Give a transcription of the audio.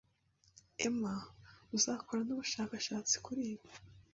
Emma, uzakore n'ubushakashatsi kuri ibi